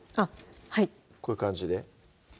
はいこういう感じで？